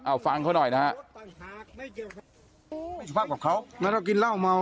เอาฟังเขาหน่อยนะฮะไม่สุภาพกว่าเขาแล้วเรากินเหล้าเมา